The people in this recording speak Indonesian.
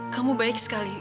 kamu baik sekali